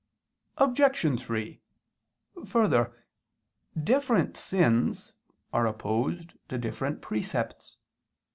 Obj. 3: Further, different sins are opposed to different precepts.